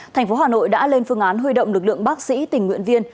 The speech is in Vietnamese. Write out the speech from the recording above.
thành phố hà nội đã lên phương án huy động lực lượng bác sĩ tình nguyện viên